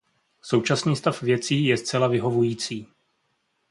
Současný stav věcí je zcela vyhovující.